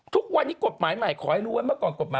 ทุกวันนี้กฎหมายใหม่ขอให้รู้ว่าเมื่อก่อนกฎหมาย